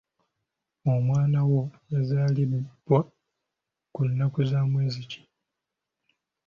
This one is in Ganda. Omwana wo yazaalibwa ku nnnaku za mwezi ki?